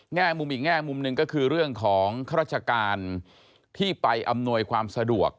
แง่มุมอีกแง่มุมหนึ่งก็คือเรื่องของข้าราชการที่ไปอำนวยความสะดวก